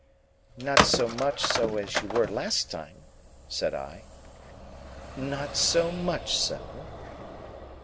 "Not so much so as you were last time," said I. "Not so much so?"